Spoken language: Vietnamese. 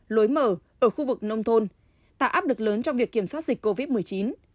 lối mở ở khu vực nông thôn tạo áp lực lớn trong việc kiểm soát dịch covid một mươi chín